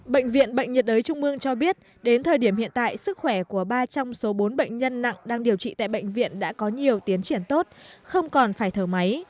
bệnh viện bệnh nhiệt đới trung mương cho biết đến thời điểm hiện tại sức khỏe của ba trong số bốn bệnh nhân nặng đang điều trị tại bệnh viện đã có nhiều tiến triển tốt không còn phải thở máy